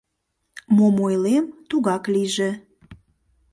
Мом ойлем, тугак лийже!»